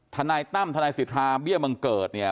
ทนายตั้มทนายสิทธาเบี้ยบังเกิดเนี่ย